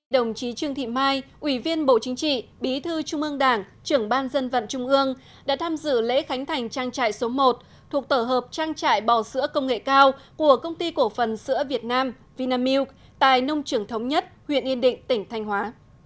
đồng chí trương thị mai ủy viên bộ chính trị bí thư trung ương đảng trưởng ban dân vận trung ương đã tham dự lễ khánh thành trang trại số một thuộc tổ hợp trang trại bò sữa công nghệ cao của công ty cổ phần sữa việt nam vinamilk tại nông trưởng thống nhất huyện yên định tỉnh thanh hóa